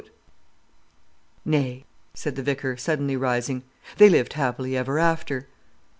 "Nay," said the vicar, suddenly rising, "they lived happily ever after."